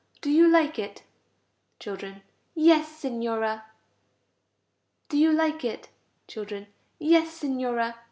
Do you like it? Children. Yes, Signora. Do you like it? Children. Yes, Signora.